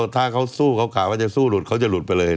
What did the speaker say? ถ้าเขาสู้เขากะว่าจะสู้หลุดเขาจะหลุดไปเลย